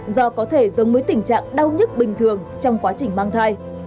do có thể giống với tình trạng đau nhức bình thường trong quá trình mang thai